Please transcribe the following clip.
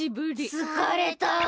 つかれた。